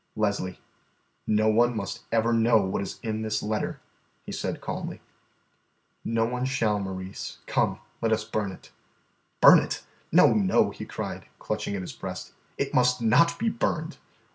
"Leslie, no one must ever know what is in this letter," he said calmly. "No one shall, Maurice; come, let us burn it." "Burn it? No, no," he cried, clutching at his breast. "It must not be burned.